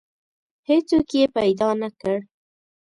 هیڅوک یې پیدا نه کړ.